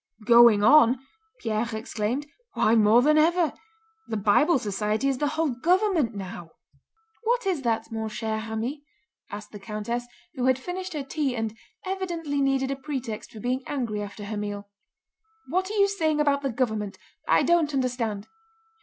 "Going on?" Pierre exclaimed. "Why more than ever! The Bible Society is the whole government now!" "What is that, mon cher ami?" asked the countess, who had finished her tea and evidently needed a pretext for being angry after her meal. "What are you saying about the government? I don't understand."